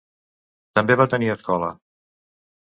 També va tenir escola.